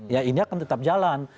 ya ini akan tetap jalan